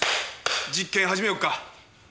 実験始めようか。